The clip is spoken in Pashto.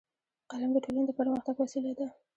قلم د ټولنې د پرمختګ وسیله ده